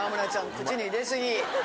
口に入れすぎ。